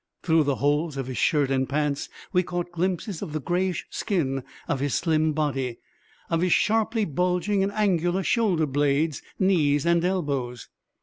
Through the holes of his shirt and pants we caught glimpses of the greyish skin of his slim body, of his sharply bulging and angular shoulder blades, knees and elbows.